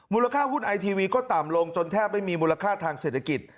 หุ้นไอทีวีก็ต่ำลงจนแทบไม่มีมูลค่าทางเศรษฐกิจ